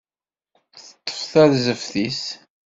Teṭṭef tarzeft-is.